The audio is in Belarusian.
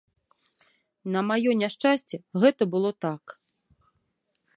На маё няшчасце, гэта было так.